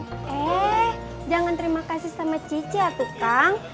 oke jangan terima kasih sama cici ya tukang